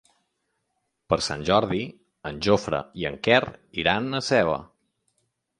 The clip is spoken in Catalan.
Per Sant Jordi en Jofre i en Quer iran a Seva.